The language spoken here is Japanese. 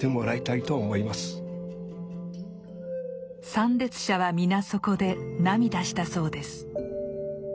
参列者は皆そこで涙したそうです。